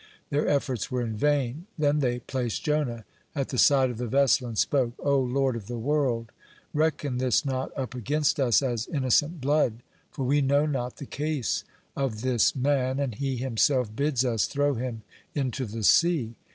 Their efforts were in vain. Then they placed Jonah at the side of the vessel and spoke: "O Lord of the world, reckon this not up against us as innocent blood, for we know not the case of this man, and he himself bids us throw him into the sea."